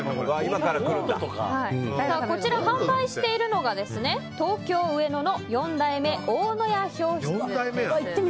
こちら販売しているのが東京・上野の四代目大野屋氷室です。